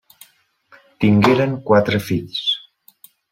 Tingueren quatre fills.